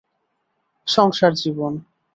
সংসার জীবন